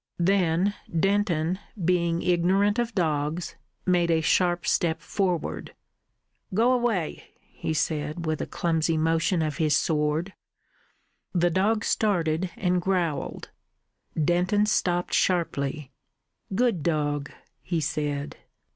Then Denton, being ignorant of dogs, made a sharp step forward. "Go away," he said, with a clumsy motion of his sword. The dog started and growled. Denton stopped sharply. "Good dog!" he said.